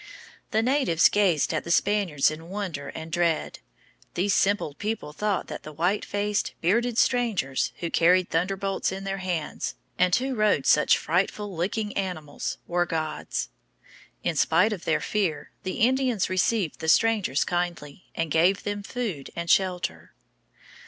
The natives gazed at the Spaniards in wonder and dread. These simple people thought that the white faced, bearded strangers, who carried thunderbolts in their hands, and who rode such frightful looking animals, were gods. In spite of their fear, the Indians received the strangers kindly, and gave them food and shelter.